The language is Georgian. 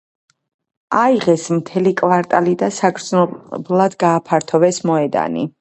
აიღეს მთელი კვარტალი და საგრძნობლად გააფართოვეს მოედანი.